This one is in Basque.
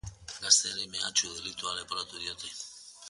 Gazteari mehatxu delitua leporatu diote.